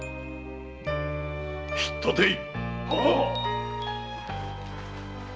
引っ立てい！